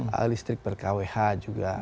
harga listrik ber kwh juga